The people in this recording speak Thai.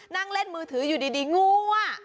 นั่งเล่นมือถืออยู่ดีงูอ่ะ